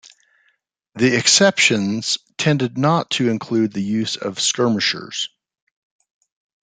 The exceptions tended not to include the use of skirmishers.